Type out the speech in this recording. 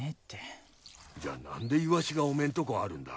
じゃあ何でいわしがおめえんとこあるんだ。